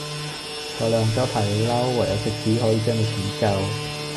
話你戇鳩怕你嬲，唯有食屎可以將你拯救